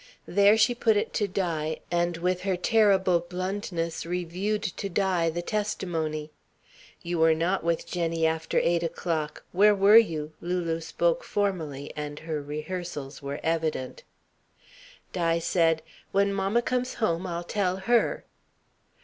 There she put it to Di, and with her terrible bluntness reviewed to Di the testimony. "You were not with Jenny after eight o'clock. Where were you?" Lulu spoke formally and her rehearsals were evident. Di said: "When mamma comes home, I'll tell her."